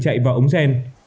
chạy vào ống gen